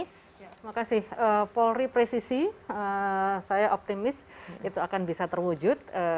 terima kasih polri presisi saya optimis itu akan bisa terwujud